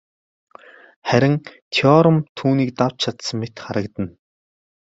Харин Теорем түүнийг давж чадсан мэт харагдана.